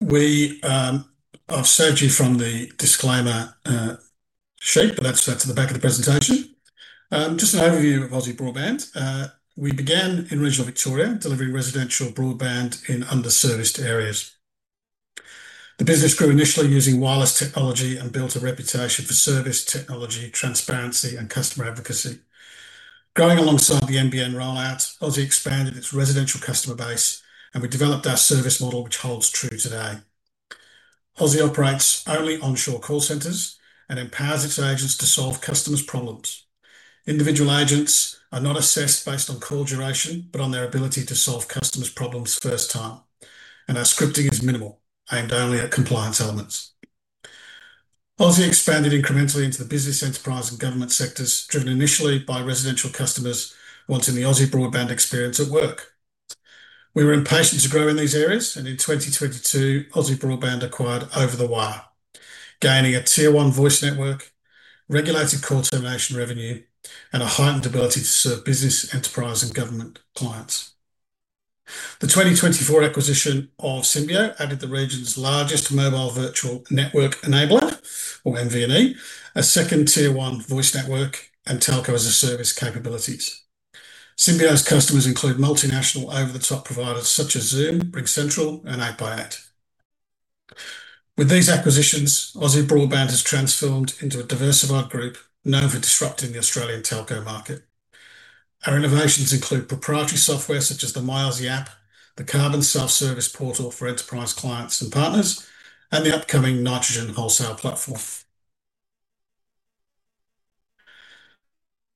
We have saved you from the disclaimer sheet, but that's the back of the presentation. Just an overview of Aussie Broadband. We began in regional Victoria, delivering residential broadband in underserviced areas. The business grew initially using wireless technology and built a reputation for service, technology, transparency, and customer advocacy. Going alongside the NBN rollout, Aussie expanded its residential customer base, and we developed our service model, which holds true today. Aussie operates only onshore call centers and empowers its agents to solve customers' problems. Individual agents are not assessed based on call duration, but on their ability to solve customers' problems first time. Our scripting is minimal, aimed only at compliance elements. Aussie expanded incrementally into the business, enterprise, and government sectors, driven initially by residential customers wanting the Aussie Broadband experience at work. We were impatient to grow in these areas, and in 2022, Aussie Broadband acquired Over the Wire, gaining a tier one voice network, regulated call termination revenue, and a heightened ability to serve business, enterprise, and government clients. The 2024 acquisition of Symbio added the region's largest mobile virtual network enabler, or MVNE, a second tier one voice network and telco-as-a-service capabilities. Symbio's customers include multinational over-the-top providers such as Zoom, RingCentral, and 8x8. With these acquisitions, Aussie Broadband has transformed into a diversified group known for disrupting the Australian telco market. Our innovations include proprietary software such as the My Aussie app, the CarbonSaaS service portal for enterprise clients and partners, and the upcoming Nitrogen wholesale platform.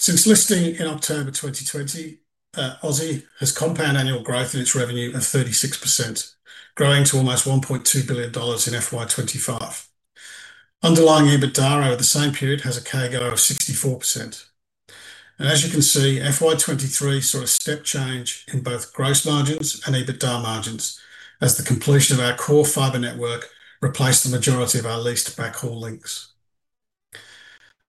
Since listing in October 2020, Aussie has compound annual growth in its revenue of 36%, growing to almost $1.2 billion in FY25. Underlying EBITDA over the same period has a CAGR of 64%. As you can see, FY23 saw a step change in both gross margins and EBITDA margins as the completion of our core fibre network replaced the majority of our leased backhaul links.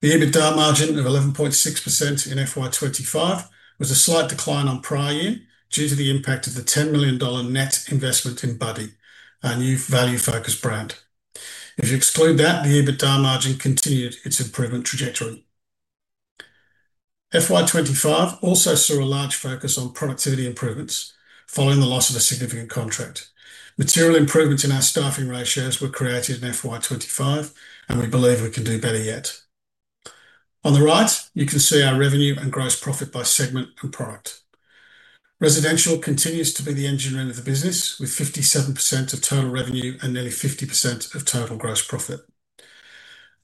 The EBITDA margin of 11.6% in FY25 was a slight decline on prior year due to the impact of the $10 million net investment in Buddy, our new value-focused brand. If you exclude that, the EBITDA margin continued its improvement trajectory. FY25 also saw a large focus on productivity improvements following the loss of a significant contract. Material improvements in our staffing ratios were created in FY25, and we believe we can do better yet. On the right, you can see our revenue and gross profit by segment and product. Residential continues to be the engine room of the business, with 57% of total revenue and nearly 50% of total gross profit.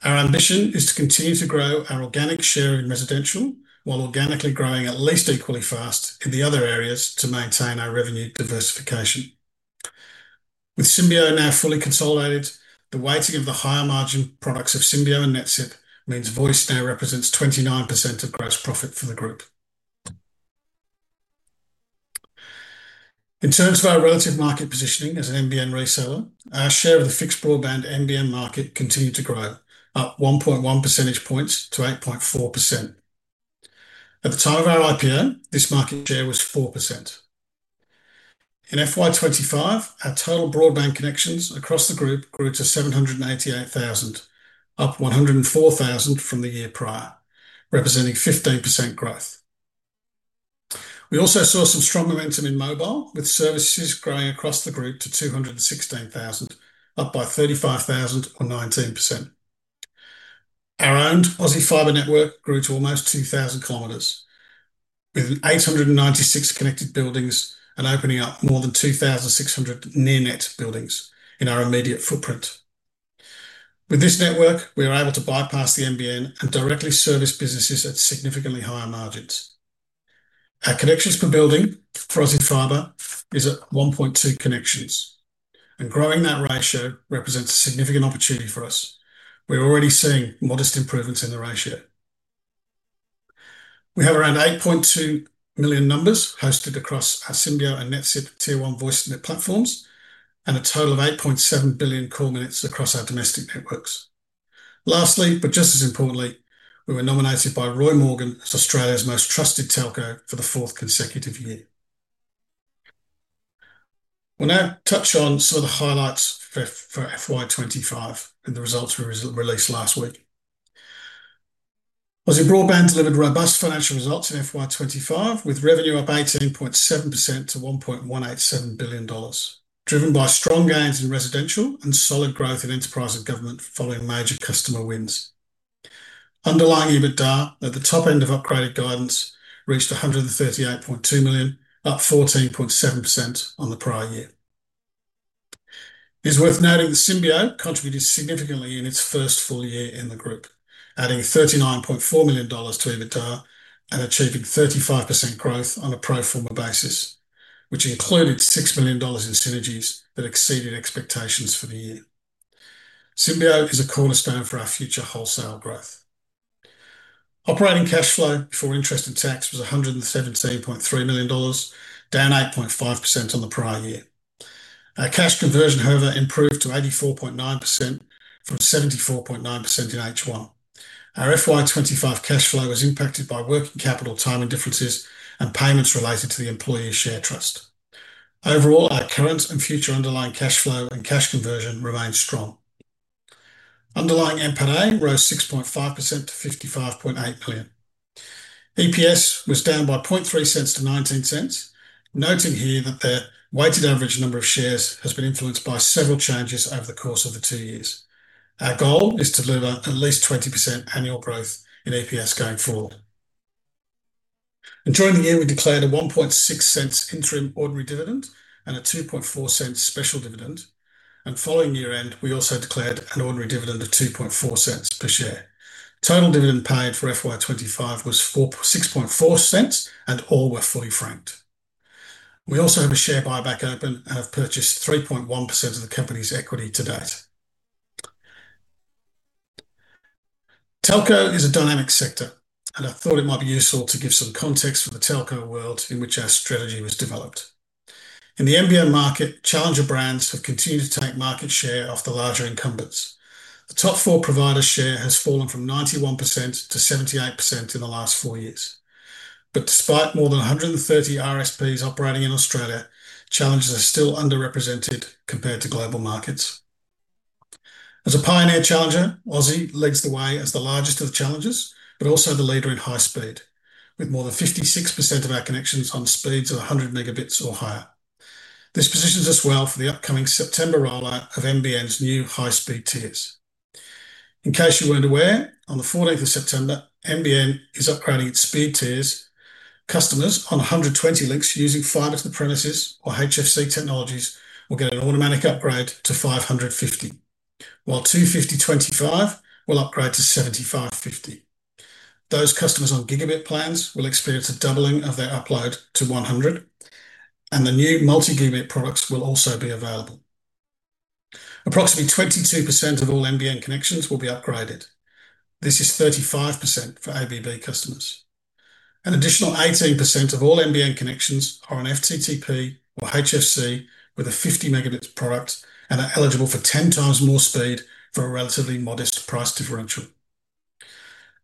Our ambition is to continue to grow our organic share in residential, while organically growing at least equally fast in the other areas to maintain our revenue diversification. With Symbio now fully consolidated, the weighting of the higher margin products of Symbio and NetSit means voice now represents 29% of gross profit for the group. In terms of our relative market positioning as an NBN reseller, our share of the fixed broadband NBN market continued to grow, up 1.1 percentage points to 8.4%. At the time of our IPO, this market share was 4%. In FY25, our total broadband connections across the group grew to 788,000, up 104,000 from the year prior, representing 15% growth. We also saw some strong momentum in mobile, with services growing across the group to 216,000, up by 35,000 or 19%. Our owned Aussie Fibre network grew to almost 2,000 kilometers, with 896 connected buildings and opening up more than 2,600 near-net buildings in our immediate footprint. With this network, we were able to bypass the NBN and directly service businesses at significantly higher margins. Our connections per building for Aussie Fibre is at 1.2 connections, and growing that ratio represents a significant opportunity for us. We're already seeing modest improvements in the ratio. We have around 8.2 million numbers hosted across our Symbio and NetSit tier one voice net platforms, and a total of 8.7 billion call minutes across our domestic networks. Lastly, but just as importantly, we were nominated by Roy Morgan as Australia's most trusted telco for the fourth consecutive year. We'll now touch on some of the highlights for FY25 and the results we released last week. Aussie Broadband delivered robust financial results in FY25, with revenue up 18.7% to $1.187 billion, driven by strong gains in residential and solid growth in enterprise and government following major customer wins. Underlying EBITDA at the top end of upgraded guidance reached $138.2 million, up 14.7% on the prior year. It's worth noting that Symbio contributed significantly in its first full year in the group, adding $39.4 million to EBITDA and achieving 35% growth on a pro forma basis, which included $6 million in synergies that exceeded expectations for the year. Symbio is a cornerstone for our future wholesale growth. Operating cash flow before interest and tax was $117.3 million, down 8.5% on the prior year. Our cash conversion, however, improved to 84.9% from 74.9% in H1. Our FY2025 cash flow was impacted by working capital timing differences and payments related to the employee share trust. Overall, our current and future underlying cash flow and cash conversion remain strong. Underlying NPATA rose 6.5% to $55.8 million. EPS was down by $0.003 to $0.19, noting here that the weighted average number of shares has been influenced by several changes over the course of the two years. Our goal is to deliver at least 20% annual growth in EPS going forward. During the year, we declared a $0.016 interim ordinary dividend and a $0.024 special dividend, and following year end, we also declared an ordinary dividend of $0.024 per share. Total dividend paid for FY2025 was $0.064, and all were fully franked. We also have a share buyback open and have purchased 3.1% of the company's equity to date. Telco is a dynamic sector, and I thought it might be useful to give some context for the telco world in which our strategy was developed. In the NBN market, challenger brands have continued to take market share after larger incumbents. The top four providers' share has fallen from 91% to 78% in the last four years. Despite more than 130 RSPs operating in Australia, challengers are still underrepresented compared to global markets. As a pioneer challenger, Aussie Broadband leads the way as the largest of the challengers, but also the leader in high speed, with more than 56% of our connections on speeds of 100 megabits or higher. This positions us well for the upcoming September rollout of NBN's new high speed tiers. In case you weren't aware, on the 14th of September, NBN is upgrading its speed tiers. Customers on 120 links using fiber to the premises or HFC technologies will get an automatic upgrade to 550, while 250/25 will upgrade to 750/50. Those customers on gigabit plans will experience a doubling of their upload to 100, and the new multi-gigabit products will also be available. Approximately 22% of all NBN connections will be upgraded. This is 35% for Aussie Broadband customers. An additional 18% of all NBN connections are on FTTP or HFC with a 50 megabit product and are eligible for 10 times more speed for a relatively modest price differential.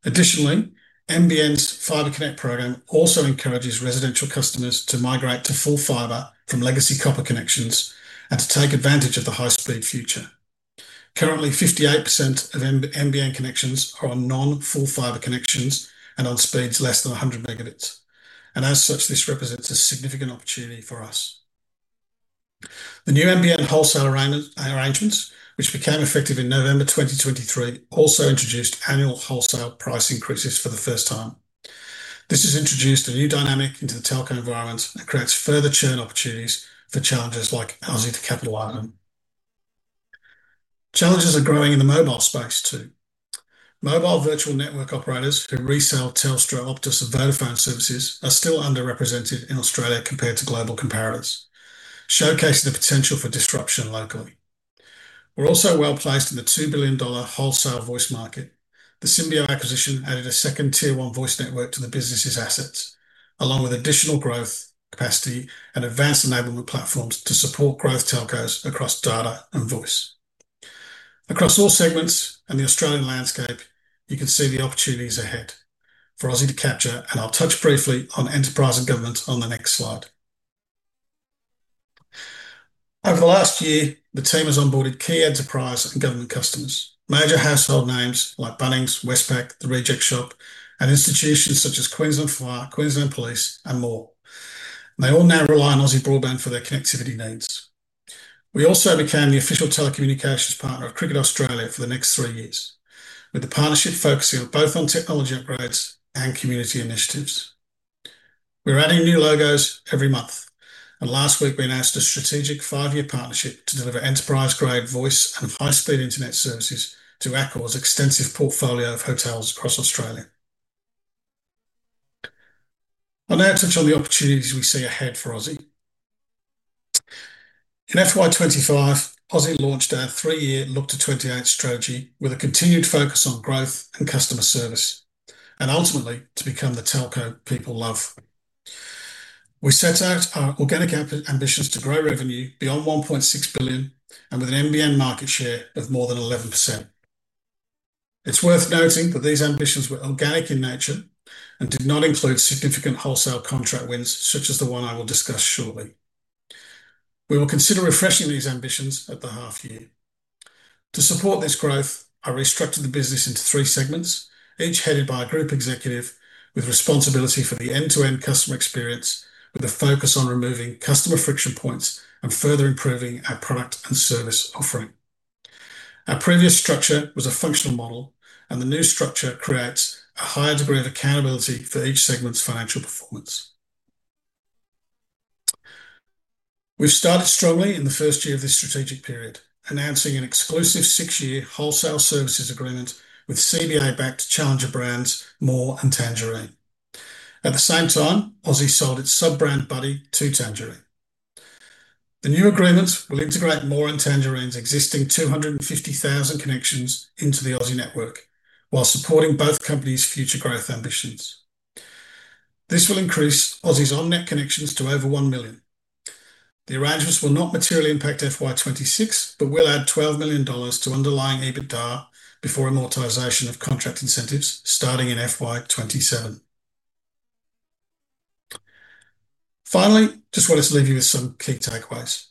Additionally, NBN's Fibre Connect program also encourages residential customers to migrate to full fiber from legacy copper connections and to take advantage of the high speed future. Currently, 58% of NBN connections are on non-full fiber connections and on speeds less than 100 megabits, and as such, this represents a significant opportunity for us. The new NBN wholesale arrangements, which became effective in November 2023, also introduced annual wholesale price increases for the first time. This has introduced a new dynamic into the telco environment and creates further churn opportunities for challengers like Aussie Broadband to capitalize on. Challengers are growing in the mobile space too. Mobile virtual network operators who resell Telstra, Optus, and Vodafone services are still underrepresented in Australia compared to global comparators, showcasing the potential for disruption locally. We're also well placed in the $2 billion wholesale voice market. The Symbio acquisition added a second tier one voice network to the business's assets, along with additional growth, capacity, and advanced enablement platforms to support growth telcos across data and voice. Across all segments and the Australian landscape, you can see the opportunities ahead for Aussie Broadband to capture, and I'll touch briefly on enterprise and government on the next slide. Over the last year, the team has onboarded key enterprise and government customers, major household names like Bunnings, Westpac, the Reject Shop, and institutions such as Queensland Fire, Queensland Police, and more. They all now rely on Aussie Broadband for their connectivity needs. We also became the official telecommunications partner of Cricket Australia for the next three years, with the partnership focusing both on technology upgrades and community initiatives. We're adding new logos every month, and last week we announced a strategic five-year partnership to deliver enterprise-grade voice and high-speed internet services to ACOR's extensive portfolio of hotels across Australia. I'll now touch on the opportunities we see ahead for Aussie Broadband. In FY25, Aussie Broadband launched our three-year Look to 28 strategy with a continued focus on growth and customer service, and ultimately to become the telco people love. We set out our organic ambitions to grow revenue beyond $1.6 billion, and with an NBN market share of more than 11%. It's worth noting that these ambitions were organic in nature and did not include significant wholesale contract wins, such as the one I will discuss shortly. We will consider refreshing these ambitions at the half year. To support this growth, I restructured the business into three segments, each headed by a Group Executive with responsibility for the end-to-end customer experience, with a focus on removing customer friction points and further improving our product and service offering. Our previous structure was a functional model, and the new structure creates a higher degree of accountability for each segment's financial performance. We've started strongly in the first year of this strategic period, announcing an exclusive six-year wholesale services agreement with CBI-backed challenger brands More and Tangerine. At the same time, Aussie sold its sub-brand Buddy to Tangerine. The new agreement will integrate More and Tangerine's existing 250,000 connections into the Aussie network, while supporting both companies' future growth ambitions. This will increase Aussie's on-net connections to over 1 million. The arrangements will not materially impact FY26, but will add $12 million to underlying EBITDA before amortization of contract incentives starting in FY27. Finally, I just wanted to leave you with some key takeaways.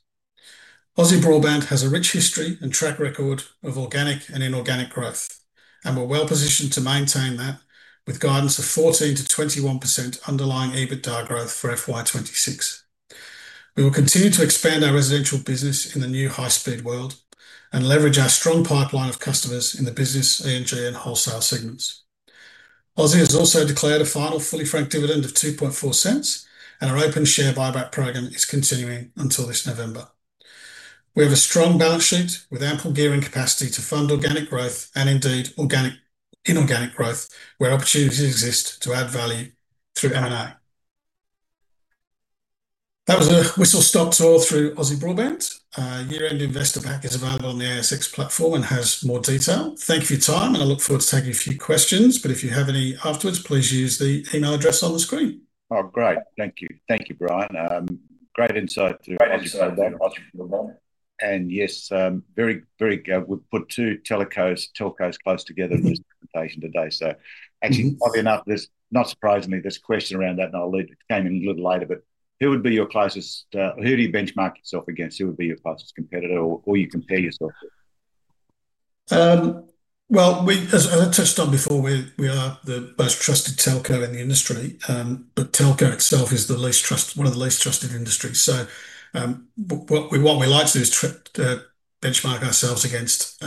Aussie Broadband has a rich history and track record of organic and inorganic growth, and we're well positioned to maintain that with guidance of 14% to 21% underlying EBITDA growth for FY26. We will continue to expand our residential business in the new high-speed world and leverage our strong pipeline of customers in the business, ENG, and wholesale segments. Aussie has also declared a final fully franked dividend of $0.024, and our open share buyback program is continuing until this November. We have a strong balance sheet with ample gearing capacity to fund organic growth and indeed organic and inorganic growth, where opportunities exist to add value through M&A. That was a whistle-stop tour through Aussie Broadband. A year-end investor pack is available on the ASX platform and has more detail. Thank you for your time, and I look forward to taking a few questions, but if you have any afterwards, please use the email address on the screen. Thank you, Brian. Great insight through Adrian and yes, very, very good. We've put two telcos close together for this presentation today. Actually, not surprisingly, this question around that knowledge came in a little later, but who would be your closest, who do you benchmark yourself against? Who would be your closest competitor or you compare yourself with? As I touched on before, we are the most trusted telco in the industry, but telco itself is the least trusted, one of the least trusted industries. What we like to do is benchmark ourselves against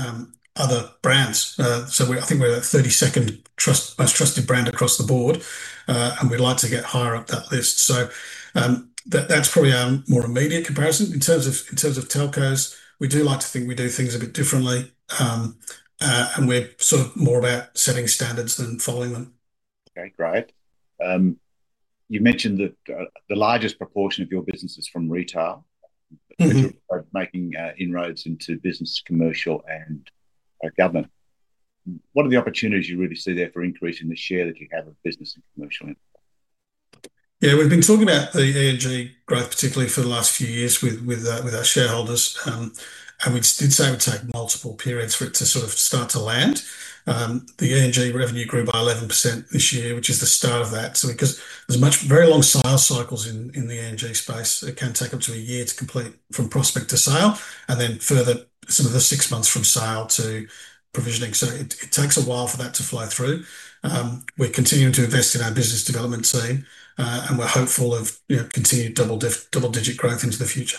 other brands. I think we're the 32nd most trusted brand across the board, and we'd like to get higher up that list. That's probably our more immediate comparison. In terms of telcos, we do like to think we do things a bit differently, and we're sort of more about setting standards than following them. Okay, great. You mentioned that the largest proportion of your business is from retail, making inroads into business, commercial, and government. What are the opportunities you really see there for increasing the share that you have of business and commercial in? Yeah, we've been talking about the ENG growth, particularly for the last few years with our shareholders, and we did say it would take multiple periods for it to sort of start to land. The ENG revenue grew by 11% this year, which is the start of that. Because there's very long sales cycles in the ENG space, it can take up to a year to complete from prospect to sale, and then further some of the six months from sale to provisioning. It takes a while for that to flow through. We're continuing to invest in our business development team, and we're hopeful of continued double-digit growth into the future.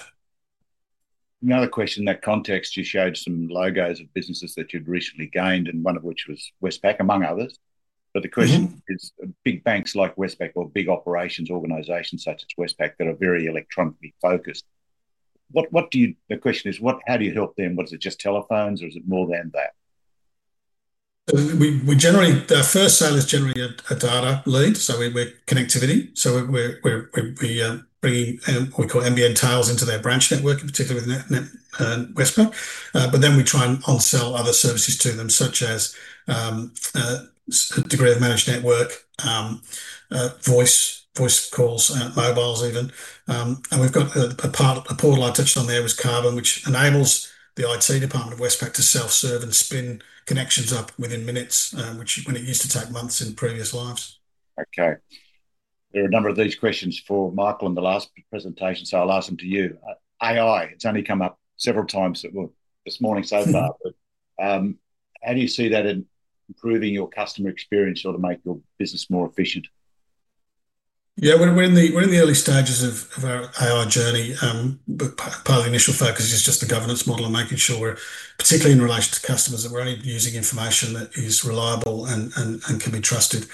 Another question in that context, you showed some logos of businesses that you'd recently gained, and one of which was Westpac, among others. The question is, big banks like Westpac or big operations organizations such as Westpac that are very electronically focused, how do you help them? What is it, just telephones or is it more than that? Our first sale is generally a data lead, so we're connectivity. We're bringing what we call nbn® tails into their branch network, particularly within Westpac. We try and also sell other services to them, such as the degree of managed network, voice calls, mobiles even. We've got a portal I touched on there with CarbonSaaS, which enables the IT department of Westpac to self-serve and spin connections up within minutes, which when it used to take months in previous lives. Okay. There are a number of these questions for Michael in the last presentation, so I'll ask them to you. AI, it's only come up several times this morning so far. How do you see that in improving your customer experience or to make your business more efficient? Yeah, we're in the early stages of our AI journey, but part of the initial focus is just the governance model and making sure, particularly in relation to customers, that we're able to use information that is reliable and can be trusted.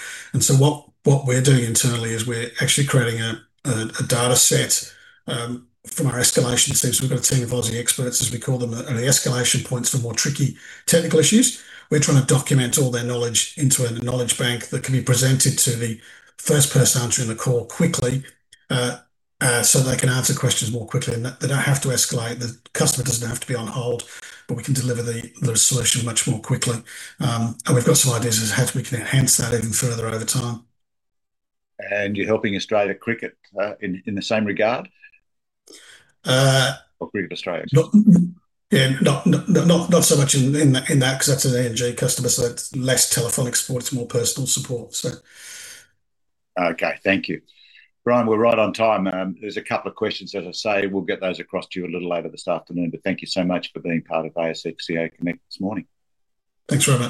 What we're doing internally is we're actually creating a data set from our escalation teams. We've got a team of Aussie experts, as we call them, and the escalation points for more tricky technical issues. We're trying to document all their knowledge into a knowledge bank that can be presented to the first person answering the call quickly, so they can answer questions more quickly and they don't have to escalate. The customer doesn't have to be on hold, but we can deliver the solution much more quickly. We've got some ideas as to how we can enhance that even further over time. You're helping Cricket Australia in the same regard? Yeah, not so much in that because that's an ENG customer, so that's less telephonic support, it's more personal support. Okay, thank you. Brian, we're right on time. There's a couple of questions, as I say, we'll get those across to you a little later this afternoon, but thank you so much for being part of ASX CA Connect this morning. Thanks very much.